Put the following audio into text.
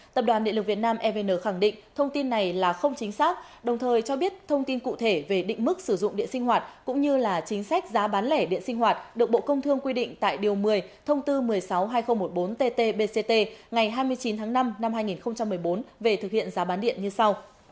tập đoàn điện lực việt nam evn khẳng định thông tin này là không chính xác đồng thời cho biết thông tin cụ thể về định mức sử dụng điện sinh hoạt cũng như là chính sách giá bán lẻ điện sinh hoạt được bộ công thương quy định tại điều một mươi thông tư một mươi sáu hai nghìn một mươi bốn tt bct ngày hai mươi chín tháng năm năm hai nghìn một mươi bốn về thực hiện giá bán điện như sau